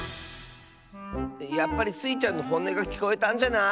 やっぱりスイちゃんのほんねがきこえたんじゃない？